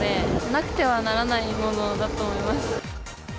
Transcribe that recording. なくてはならないものだと思います。